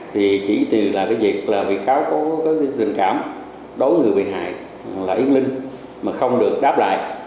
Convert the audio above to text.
thì chỉ từ việc vị kháo có tình cảm đối với người bị hại là yên linh mà không được đáp lại